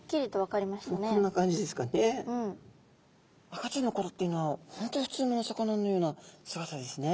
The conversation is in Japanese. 赤ちゃんのころっていうのは本当ふつうのお魚のような姿ですね。